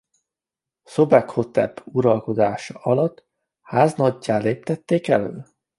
Szobekhotep uralkodása alatt háznaggyá léptették elő.